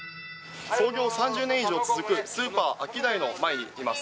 創業３０年以上続くスーパー、アキダイの前にいます。